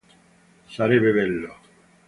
Sarebbe bello...